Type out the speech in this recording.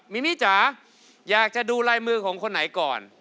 มีนี่จ๋าอยากจะดูลายมือของคนไหนก่อน